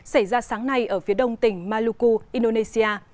xảy ra sáng nay ở phía đông tỉnh maluku indonesia